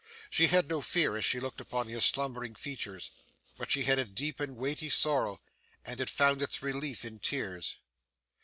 She had no fear as she looked upon his slumbering features, but she had a deep and weighty sorrow, and it found its relief in tears.